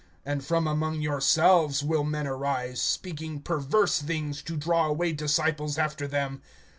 (30)And from among yourselves will men arise, speaking perverse things, to draw away disciples after them.